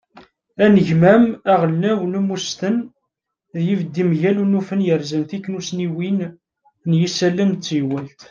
anegmam aɣelnaw n umesten d yibeddi mgal unufen yerzan tiknussniwin n yisallen d teywalt